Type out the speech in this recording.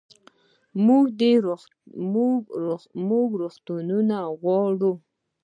موږ روغتونونه غواړو